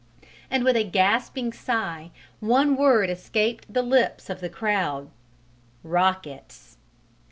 And with a gasping sigh one word escaped the lips of the crowd: "Rockets!"